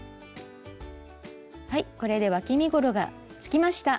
はいこれでわき身ごろがつきました。